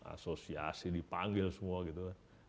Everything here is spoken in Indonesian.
asosiasi dipanggil semua gitu